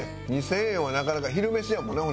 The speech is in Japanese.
２０００円はなかなか昼飯やもんね